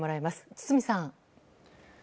堤さん。